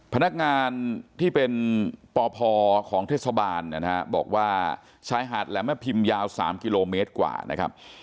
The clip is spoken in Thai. พนักงานที่เป็นปพของเทศบาลบอกว่าชายหาดแหลมพิมยาว๓กิโลเมตรกว่า